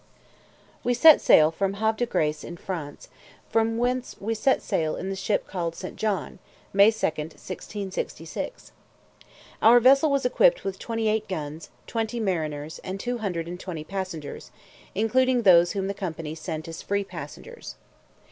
_ WE set sail from Havre de Grace in France, from whence we set sail in the ship called St. John, May 2, 1666. Our vessel was equipped with twenty eight guns, twenty mariners, and two hundred and twenty passengers, including those whom the company sent as free passengers.